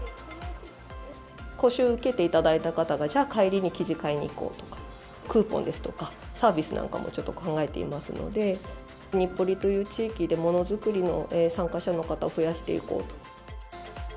講習を受けていただいた方が、じゃあ、帰りに生地買いにいこうとか、クーポンですとかサービスなんかもちょっと考えていますので、日暮里という地域でものづくりの参加者の方を増やしていこうと。